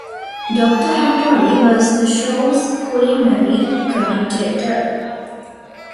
Doctor Hattori was the show's culinary commentator.